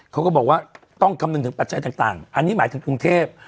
เขาก็บอกว่าต้องคำนึงถึงปัจจัยต่างอันนี้หมายถึงกรุงเทพ